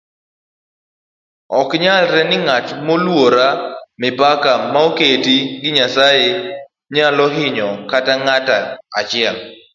oknyalre ni ng'at maoluoro mipaka maoketi gi nyasaye nyalohinyo kata ng'ato achiel